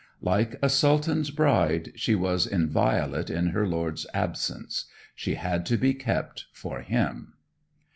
Like a sultan's bride, she was inviolate in her lord's absence; she had to be kept for him.